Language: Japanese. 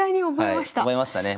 覚えましたね。